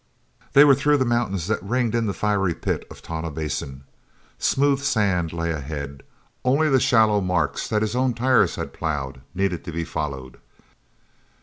They were through the mountains that ringed in the fiery pit of Tonah Basin. Smooth sand lay ahead; only the shallow marks that his own tires had ploughed needed to be followed.